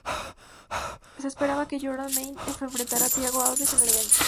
Se esperaba que Jordan Mein se enfrentara a Thiago Alves en el evento.